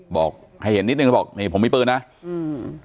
บอกให้เห็นนิดนึงแล้วบอกนี่ผมมีปืนนะอืม